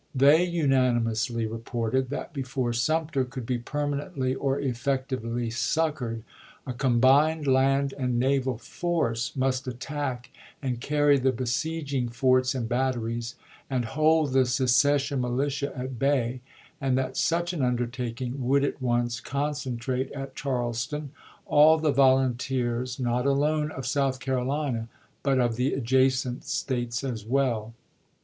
They unanimously reported that before Sumter could be permanently or effectively succored a combined land and naval force must attack and carry the besieging forts and batteries, and hold the secession militia at bay, and that such an undertaking would at once concentrate at Charles ton all the volunteers, not alone of South Carolina, but of the adjacent States as well.